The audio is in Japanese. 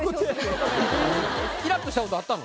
イラっとしたことあったの？